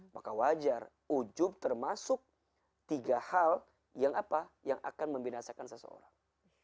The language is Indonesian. maka wajar ujub termasuk tiga hal yang apa yang akan membinasakan seseorang